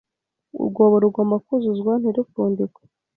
Urwobo rugomba kuzuzwa, ntirupfundikwe.